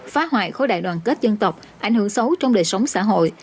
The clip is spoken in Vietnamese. phá hoại khối đại đoàn kết dân tộc ảnh hưởng xấu trong đời sống xã hội